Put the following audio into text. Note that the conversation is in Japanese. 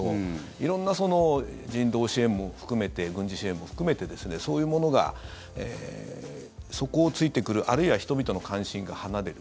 色んな、人道支援も含めて軍事支援も含めてですねそういうものが底を突いてくるあるいは人々の関心が離れる。